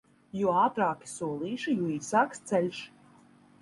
Jo ātrāki solīši, jo īsāks ceļš.